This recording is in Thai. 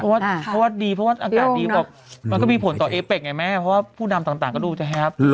เพราะว่าดีเพราะว่าอากาศดีบอกมันก็มีผลต่อเอเป็กไงแม่เพราะว่าผู้นำต่างก็ดูจะแฮป